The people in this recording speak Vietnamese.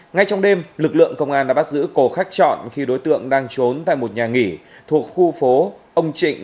ngay trong đêm lực lượng công an đã bắt giữ cổ khắc trọn khi đối tượng đang trốn tại một nhà nghỉ thuộc khu phố ông trịnh